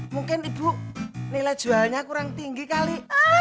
mungkin ibu nilai jualnya kurang tinggi kali